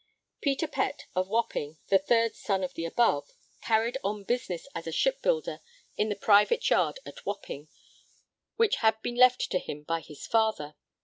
Peter Pett, of Wapping, the third son of the above, carried on business as a shipbuilder in the private yard at Wapping which had been left to him by his father.